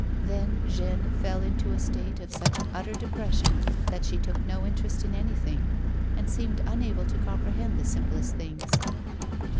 Then Jeanne fell into a state of such utter depression that she took no interest in anything, and seemed unable to comprehend the simplest things.